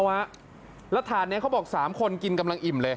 แล้วถ่านนี้เขาบอก๓คนกินกำลังอิ่มเลย